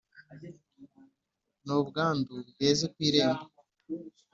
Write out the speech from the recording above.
ni ubwandu bweze ku irembo